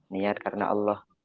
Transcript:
niat karena allah